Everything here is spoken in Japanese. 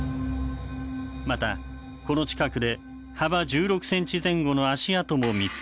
またこの近くで幅１６センチ前後の足跡も見つかっている。